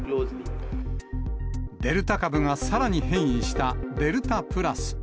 デルタ株がさらに変異したデルタプラス。